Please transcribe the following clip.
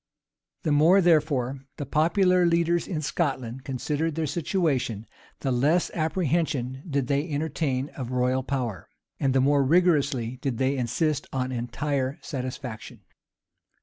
The more, therefore, the popular leaders in Scotland considered their situation, the less apprehension did they entertain of royal power, and the more rigorously did they insist on entire satisfaction.